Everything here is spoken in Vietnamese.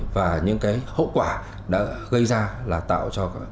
và những hậu quả đã gây ra là tạm biệt